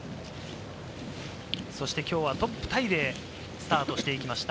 きょうはトップタイでスタートしていきました。